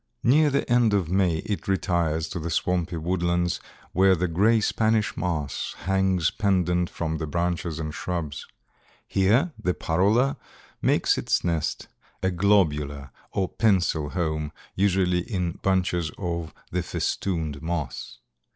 Near the end of May it retires to the swampy woodlands where the gray Spanish moss hangs pendant from the branches and shrubs. Here the Parula makes its nest, a globular or pencil home, usually in bunches of the festooned moss.